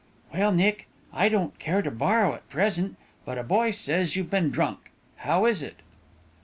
"Well, Nick, I don't care to borrow at present, but a boy says you've been drunk. How is it?"